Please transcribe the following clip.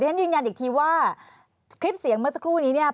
ฉันยืนยันอีกทีว่าคลิปเสียงเมื่อสักครู่นี้เนี่ย